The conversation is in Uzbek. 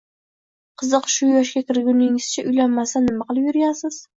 Qiziq shu yoshga kirgunizcha uylanmasdan nima qilib yurgansiz